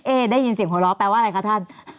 เอ๊ได้ยินเสียงโหล้แปลว่าอะไรคะท่าน